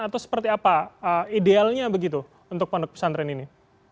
atau seperti apa idealnya begitu untuk pondok pesantren ini